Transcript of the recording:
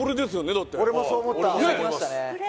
だって俺もそう思ったねえ